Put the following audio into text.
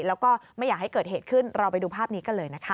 แล้วก็ไม่อยากให้เกิดเหตุขึ้นเราไปดูภาพนี้กันเลยนะคะ